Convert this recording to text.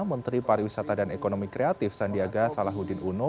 menteri pariwisata dan ekonomi kreatif sandiaga salahuddin uno